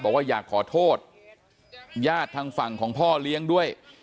บอกว่าอยากขอโทษญาติทางฝั่งของพ่อเลี้ยงด้วย